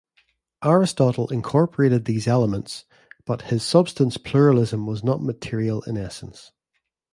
Aristotle incorporated these elements, but his substance pluralism was not material in essence.